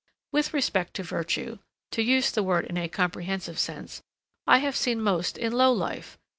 With respect to virtue, to use the word in a comprehensive sense, I have seen most in low life.